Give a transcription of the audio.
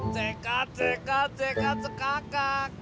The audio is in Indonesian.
cekat cekat cekat cekakak